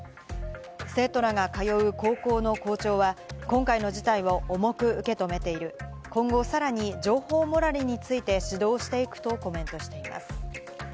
生徒らが通う高校の校長は、今回の事態を重く受け止めている、今後さらに情報モラルについて指導していくとコメントしています。